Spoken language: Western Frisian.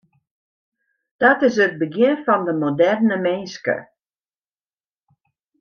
Dat is it begjin fan de moderne minske.